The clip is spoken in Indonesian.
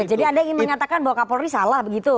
oke jadi ada yang mengatakan bahwa kapolri salah begitu